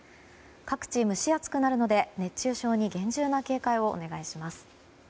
各地蒸し暑くなるので、熱中症に厳重な警戒をお願いします。